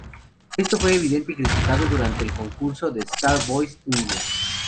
Esto fue evidente y criticado durante el concurso de Star Voice India.